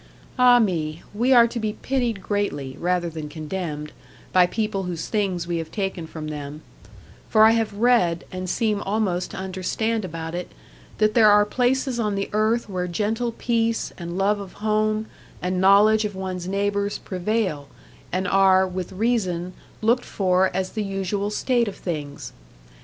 'Ah me! We are to be pitied greatly, rather than condemned, by people whose things we have taken from them; for I have read, and seem almost to understand about it, that there are places on the earth where gentle peace, and love of home, and knowledge of one's neighbours prevail, and are, with reason, looked for as the usual state of things.